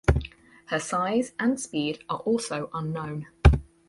Her size and speed are also unknown.